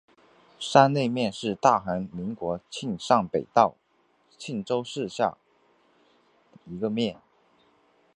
山内面是大韩民国庆尚北道庆州市下辖的一个面。